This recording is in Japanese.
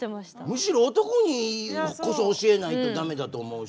むしろ男にこそ教えないと駄目だと思うし。